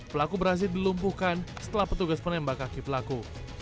pelaku berhasil dilumpuhkan setelah petugas menembak kaki pelaku